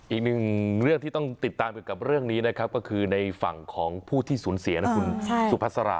อีกหนึ่งเรื่องที่ต้องติดตามเกี่ยวกับเรื่องนี้นะครับก็คือในฝั่งของผู้ที่สูญเสียนะคุณสุภาษา